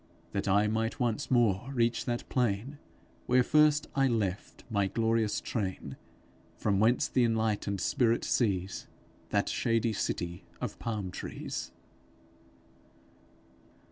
That I might once more reach that plaine, Where first I left my glorious traine; From whence th' inlightned spirit sees That shady City of palme trees.